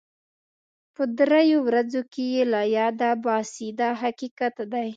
په دریو ورځو کې یې له یاده باسي دا حقیقت دی.